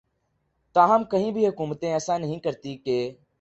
تاہم کہیں بھی حکومتیں ایسا نہیں کرتیں کہ